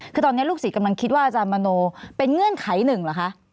คือตอนนี้ลูกศิษย์กำลังคิดว่าอาจารย์มโนเป็นเงื่อนไขหนึ่งเหรอคะ